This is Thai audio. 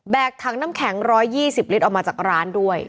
แบกถังน้ำแข็งร้อยยี่สิบลิตรออกมาจากร้านด้วย